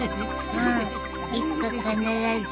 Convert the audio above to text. うんいつか必ず。